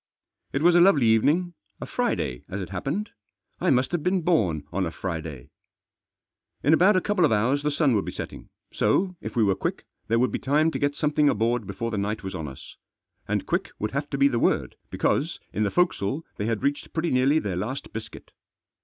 It was a lovely evening, a Friday as it happened — I must have been born on a Friday ! In about a couple of hours the sun would be setting, so, if we were quick, there would be time to get some thing aboard before the night was on us. And quick would have to be the word, because, in the forecastle they had reached pretty nearly their last biscuit.